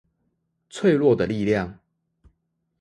脆弱的力量